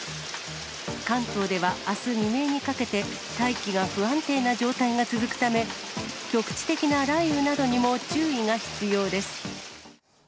関東ではあす未明にかけて、大気が不安定な状態が続くため、局地的な雷雨などにも注意が必要です。